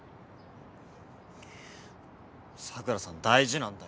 桜さん大事なんだよ。